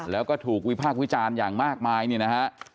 แล้วก็ถูกวิพากษ์วิจารณ์อย่างมากมายเนี่ยนะฮะ